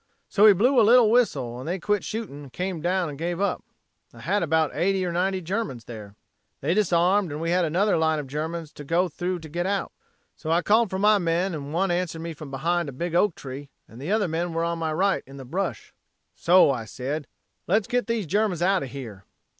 "So he blew a little whistle and they quit shooting and came down and gave up. I had about 80 or 90 Germans there. "They disarmed and we had another line of Germans to go through to get out. So I called for my men and one answered me from behind a big oak tree and the other men were on my right in the brush. "So I said, 'Let's get these Germans out of here.'